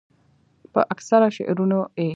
پۀ اکثره شعرونو ئې